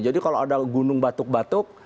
jadi kalau ada gunung batuk batuk